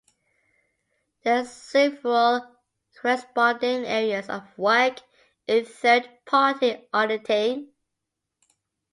There are several corresponding areas of work in third-party auditing.